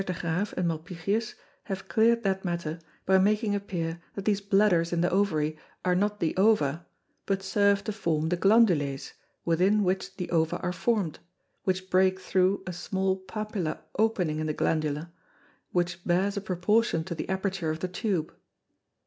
de Graef_ and Malpighius have clear'd that Matter, by making appear, that these Bladders in the Ovary are not the Ova, but serve to form the Glandules within which the Ova are formed, which break through a small Papilla opening in the Glandule, which bears a proportion to the Aperture of the Tube.